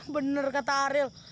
bener kata ril